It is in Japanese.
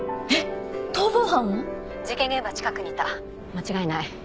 間違いない。